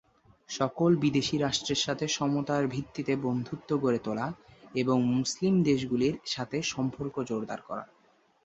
সকল বিদেশী রাষ্ট্রের সাথে সমতার ভিত্তিতে বন্ধুত্ব গড়ে তোলা এবং মুসলিম দেশগুলির সাথে সম্পর্ক জোরদার করা।